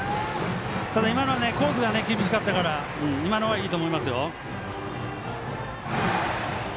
今のコースが厳しかったから今のはいいと思います。